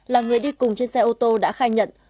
là người đi cùng trên xe ô tô đã khai nhận